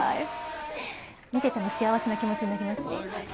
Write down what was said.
見ていて幸せな気持ちになります。